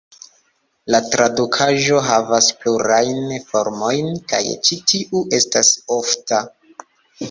La tradukaĵo havas plurajn formojn kaj ĉi tiu estas ofta.